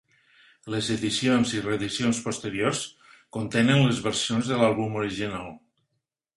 Les edicions i reedicions posteriors contenen les versions de l'àlbum original.